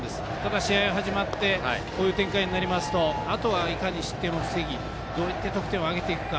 ただ、試合が始まってこういう展開になりますとあとは、いかに失点を防ぎどう得点を挙げていくか。